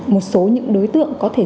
một số những đối tượng có thể